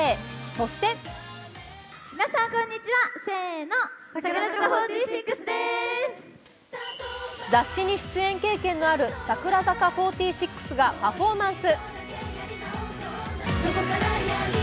そして雑誌に出演経験のある櫻坂４６がパフォーマンス。